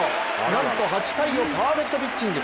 なんと８回をパーフェクトピッチング。